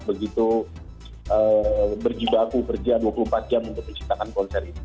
begitu berjibaku kerja dua puluh empat jam untuk menciptakan konser ini